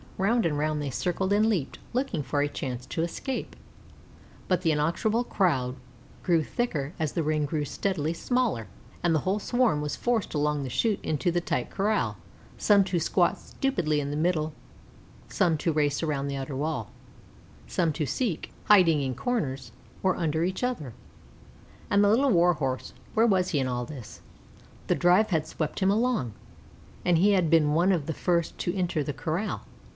Round and round they circled and leaped, looking for a chance to escape; but the inexorable crowd grew thicker as the ring grew steadily smaller, and the whole swarm was forced along the chute into the tight corral, some to squat stupidly in the middle, some to race round the outer wall, some to seek hiding in corners or under each other. And the Little Warhorse where was he in all this? The drive had swept him along, and he had been one of the first to enter the corral.